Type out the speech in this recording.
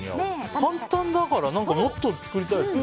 簡単だからもっと作りたいですよね。